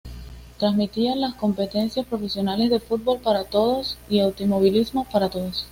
Transmitía las competencias profesionales de Fútbol para Todos y Automovilismo para todos.